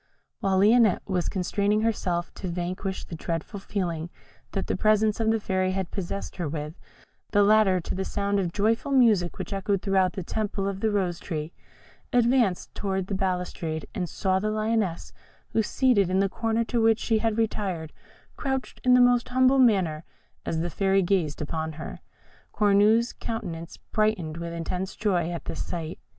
While Lionette was constraining herself to vanquish the dreadful feeling that the presence of the Fairy had possessed her with, the latter, to the sound of joyful music which echoed through the temple of the Rose tree, advanced towards the balustrade and saw the Lioness, who, seated in the corner to which she had retired, crouched in the most humble manner as the Fairy gazed on her. Cornue's countenance brightened with intense joy at this sight.